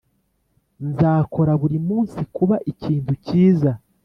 nzakora buri munsi kuba ikintu cyiza,